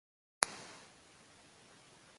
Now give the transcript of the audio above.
Eu vi-te a passear nos Aliados